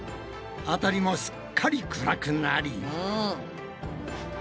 あたりもすっかり暗くなり。